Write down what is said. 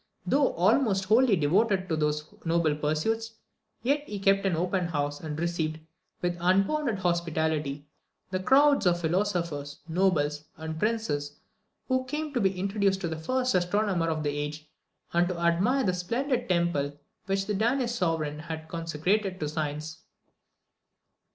Though almost wholly devoted to these noble pursuits, yet he kept an open house, and received, with unbounded hospitality, the crowds of philosophers, nobles, and princes who came to be introduced to the first astronomer of the age, and to admire the splendid temple which the Danish Sovereign had consecrated to science.